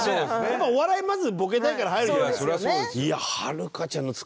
お笑いはまずボケたいから入るじゃない。